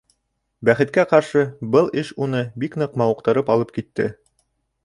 Бәхеткә ҡаршы, был эш уны бик ныҡ мауыҡтырып алып китте.